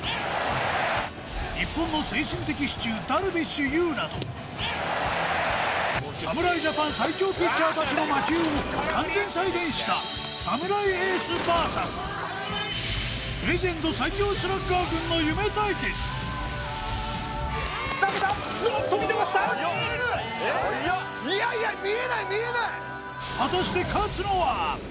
日本の精神的支柱ダルビッシュ有など侍ジャパン最強ピッチャー達の魔球を完全再現した侍エースＶＳレジェンド最強スラッガー軍の夢対決おっと見てました憧れのレジェンド軍相手にラストはＷＢＣ夢対決目